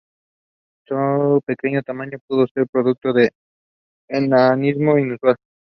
Su pequeño tamaño pudo ser producto del enanismo insular.